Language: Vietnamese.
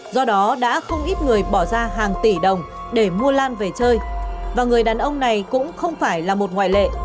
do đó đã không ít người bỏ ra hàng tỷ đồng để mua lan về chơi và người đàn ông này cũng không phải là một ngoại lệ